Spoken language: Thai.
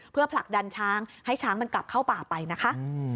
เพื่อผลักดันช้างให้ช้างมันกลับเข้าป่าไปนะคะ